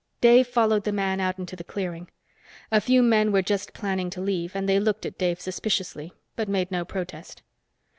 Dave followed the man out into the clearing. A few men were just planning to leave, and they looked at Dave suspiciously, but made no protest.